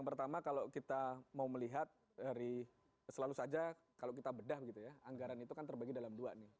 pertama kalau kita mau melihat dari selalu saja kalau kita bedah begitu ya anggaran itu kan terbagi dalam dua nih